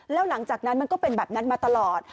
แล้วหลังจากนั้นมันก็เป็นแบบนั้นมาตลอด